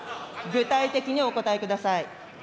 具体的にお答えください。